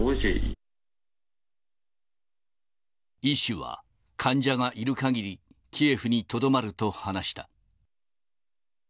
医師は患者がいるかぎり、キエフにとどまると話した。